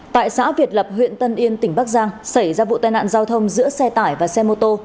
tại xã việt lập huyện tân yên tỉnh bắc giang xảy ra vụ tai nạn giao thông giữa xe tải và xe mô tô